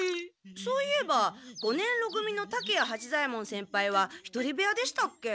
そういえば五年ろ組の竹谷八左ヱ門先輩は１人部屋でしたっけ。